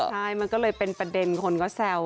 ใช่มันก็เลยเป็นประเด็นคนก็แซว